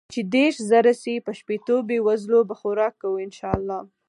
چې ديرش زره شي په شپيتو بې وزلو به خوراک کو ان شاء الله.